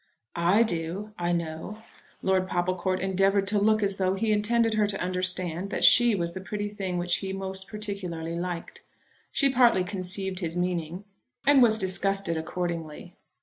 "I do, I know." Lord Popplecourt endeavoured to look as though he intended her to understand that she was the pretty thing which he most particularly liked. She partly conceived his meaning, and was disgusted accordingly.